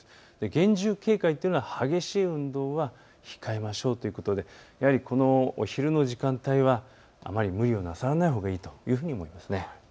厳重警戒というのは激しい運動は控えましょうということでやはりこのお昼の時間帯はあまり無理をなさらないほうがいいというふうに思います。